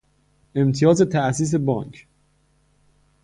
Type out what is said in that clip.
امتیاز تاسیس بانک